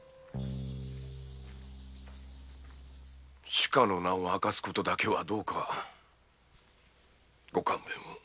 主家の名を明かすことだけはどうかご勘弁を。